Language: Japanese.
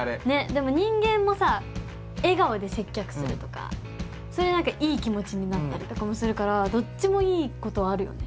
でも人間もさ笑顔で接客するとかそれで何かいい気持ちになったりとかもするからどっちもいいことあるよね。